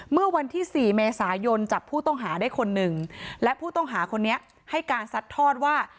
เมื่อวันที่สี่เมษายนจับผู้ต้องหาได้คนหนึ่งและผู้ต้องหาคนนี้ให้การซัดทอดว่า